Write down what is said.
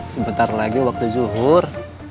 sebentar lagi waktu zuhur